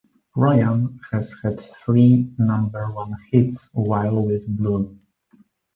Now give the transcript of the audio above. Ryan has had three number one hits while with Blue.